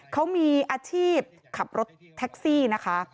เขามีอาชีพขับรถแท็กซี่นะคะ